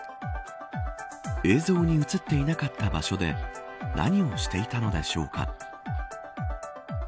映像に映っていなかった場所で何をしていたのでしょうか。